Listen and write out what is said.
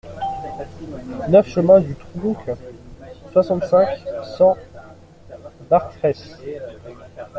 neuf chemin du Trounc, soixante-cinq, cent, Bartrès